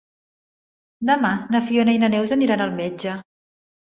Demà na Fiona i na Neus aniran al metge.